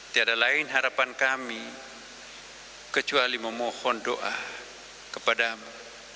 tiada lain harapan kami kecuali memohon doa kepadamu